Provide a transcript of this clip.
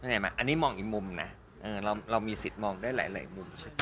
อันนี้มองอีกมุมนะเรามีสิทธิ์มองได้หลายมุมใช่ไหม